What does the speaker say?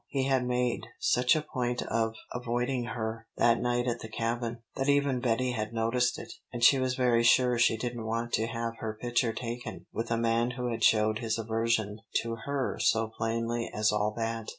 He had made such a point of avoiding her that night at the Cabin, that even Betty had noticed it, and she was very sure she didn't want to have her picture taken with a man who had showed his aversion to her so plainly as all that.